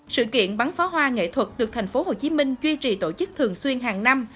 sự kiện bắn pháo hoa nghệ thuật được thành phố hồ chí minh duy trì tổ chức thường xuyên hàng năm